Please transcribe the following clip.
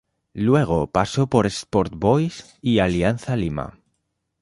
Luego pasó por Sport Boys y Alianza Lima.